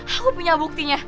aku punya buktinya